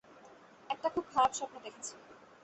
একটা খুব খারাপ স্বপ্ন দেখেছি।